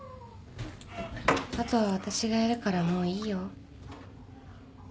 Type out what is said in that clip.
あとは私がやるからもういいよ